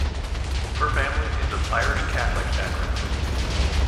Her family is of Irish Catholic background.